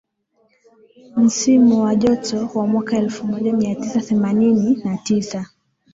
msimu wa joto wa mwaka elfumoja miatisa themanini na tisa